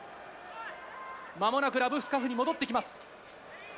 まもなくラブスカフニ戻ってきます。